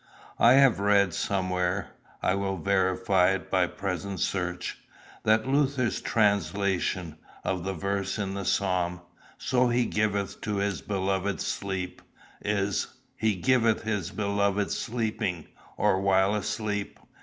I have read somewhere I will verify it by present search that Luther's translation, of the verse in the psalm, "So he giveth to his beloved sleep," is, "He giveth his beloved sleeping," or while asleep.